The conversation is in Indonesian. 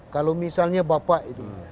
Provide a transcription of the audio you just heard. kalau misalnya bapak itu